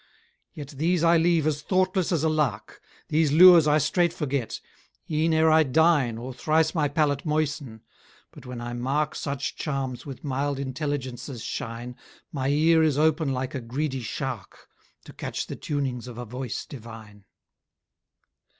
Yet these I leave as thoughtless as a lark; These lures I straight forget, e'en ere I dine, Or thrice my palate moisten: but when I mark Such charms with mild intelligences shine, My ear is open like a greedy shark, To catch the tunings of a voice divine.